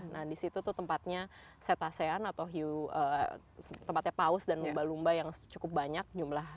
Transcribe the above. nah disitu tuh tempatnya cetacean atau tempatnya paus dan lumba lumba yang cukup banyak